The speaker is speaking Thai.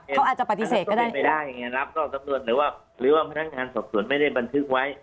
เขาอาจจะปฏิเสธก็ได้หรือว่าพนักงานสอบสวนไม่ได้บันทึกไว้